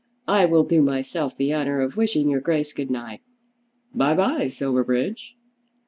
I will do myself the honour of wishing your Grace good night. By bye, Silverbridge."